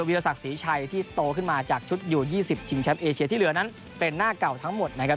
วิทยาศักดิ์ศรีชัยที่โตขึ้นมาจากชุดอยู่๒๐ชิงแชมป์เอเชียที่เหลือนั้นเป็นหน้าเก่าทั้งหมดนะครับ